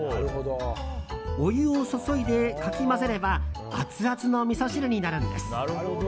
お湯を注いでかき混ぜればアツアツのみそ汁になるんです。